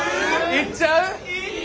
いっちゃう？